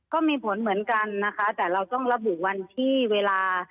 ก็มีผลเหมือนกันนะคะแต่เราต้องระบุวันที่เวลา